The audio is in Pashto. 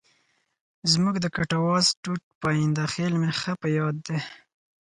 زموږ د کټواز ټوټ پاینده خېل مې ښه په یاد دی.